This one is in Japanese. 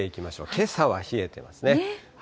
けさは冷えてますね。